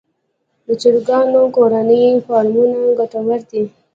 د چرګانو کورني فارمونه ګټور دي